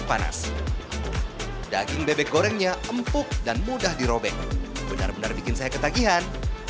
panas daging bebek gorengnya empuk dan mudah dirobek benar benar bikin saya ketagihan